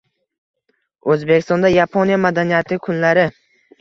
O‘zbekistonda Yaponiya madaniyati kunlari